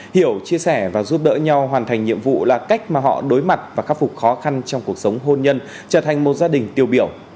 hiểu chia sẻ và giúp đỡ nhau hoàn thành nhiệm vụ là cách mà họ đối mặt và khắc phục khó khăn trong cuộc sống hôn nhân trở thành một gia đình tiêu biểu